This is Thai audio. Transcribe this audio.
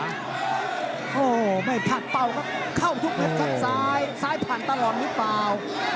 โหไม่ผ่านเป้าก็เข้าทุกขั้นหัททั้งซ้ายซ้ายผ่านตลอนนี้เปล่า